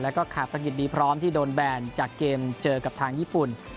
แล้วก็ขาดประกิจดีพร้อมที่โดนแบนจากเกมเจอกับทางญี่ปุ่น